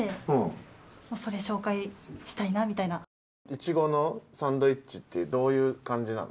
イチゴのサンドイッチってどういう感じなの？